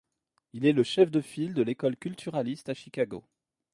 Il est le chef de file de l'école culturaliste à Chicago.